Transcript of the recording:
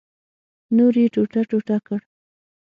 نور یې ټوټه ټوټه کړ.